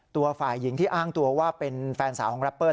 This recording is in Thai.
ตัวฝ่ายหญิงที่อ้างตัวว่าเป็นแฟนสาวของแรปเปอร์